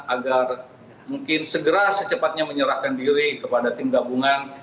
agar mungkin segera secepatnya menyerahkan diri kepada tim gabungan